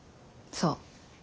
そう。